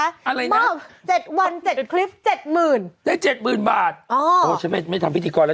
อะไรนะได้๗๐๐๐๐บาทโอ้โฮฉันไม่ทำพิธีกรแล้ว